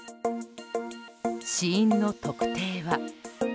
死因の特定は？